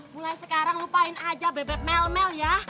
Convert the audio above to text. mulai sekarang lupain aja bebek melmel ya